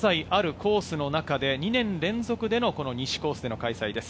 東西あるコースの中で２年連続での西コースでの開催です。